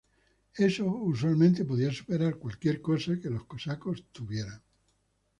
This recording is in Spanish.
Eso usualmente podía superar cualquier cosa que los cosacos tuvieran.